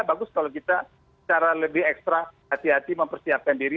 bagus kalau kita secara lebih ekstra hati hati mempersiapkan diri